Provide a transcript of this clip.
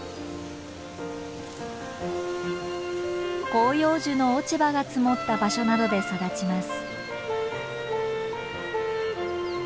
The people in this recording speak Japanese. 広葉樹の落ち葉が積もった場所などで育ちます。